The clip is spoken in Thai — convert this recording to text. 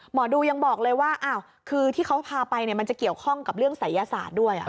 หมอดูยังบอกเลยว่าคือที่เขาพาไปมันจะเกี่ยวข้องกับเรื่องศัยศาสตร์ด้วย